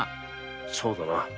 そうだな。